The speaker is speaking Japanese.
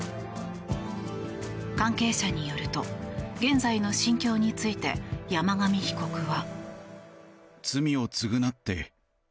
関係者によると現在の心境について山上被告は。